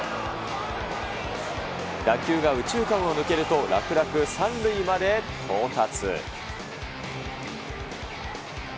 打球が右中間を抜けると楽々３塁まで到達。